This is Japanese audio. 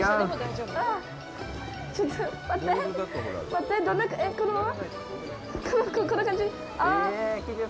こんな感じ？